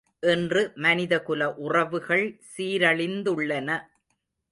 இன்று மனிதகுல உறவுகள் சீரழிந்துள்ளன.